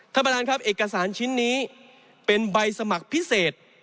ท่านประธานครับเอกสารชิ้นนี้เป็นใบสมัครพิเศษ